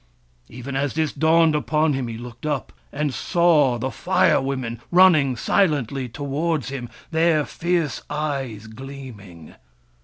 Even as this dawned upon him, he looked up and saw the Fire Women running silently towards him, their fierce eyes gleaming.